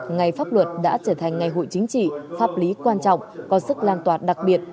ngày pháp luật đã trở thành ngày hội chính trị pháp lý quan trọng có sức lan tỏa đặc biệt